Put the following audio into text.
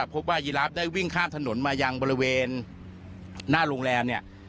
พบว่ายีร้าบได้วิ่งข้ามถนนมายังบริเวณหน้าโรงแรม